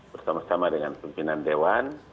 bersama sama dengan pimpinan dewan